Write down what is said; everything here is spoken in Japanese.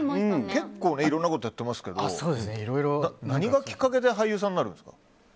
結構いろんなことやってますけど何がきっかけで俳優さんになったんですか？